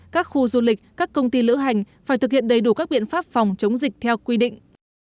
các khu du lịch các công ty lữ hành phải thực hiện đầy đủ các biện pháp phòng chống dịch theo quy định